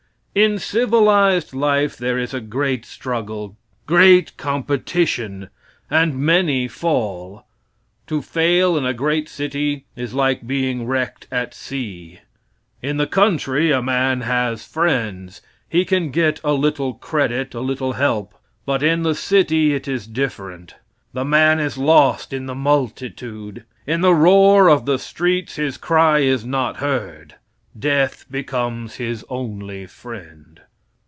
In civilized life there is a great struggle, great competition, and many fall. To fail in a great city is like being wrecked at sea. In the country a man has friends. He can get a little credit, a little help, but in the city it is different. The man is lost in the multitude. In the roar of the streets his cry is not heard. Death becomes his only friend.